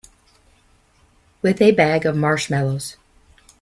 With a bag of marshmallows.